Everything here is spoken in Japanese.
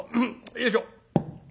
よいしょ。